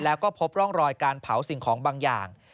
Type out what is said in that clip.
แล้วก็พบร่องรอยการเผาสิ่งของบางอย่าง